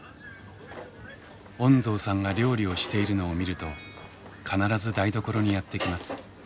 恩蔵さんが料理をしているのを見ると必ず台所にやって来ます。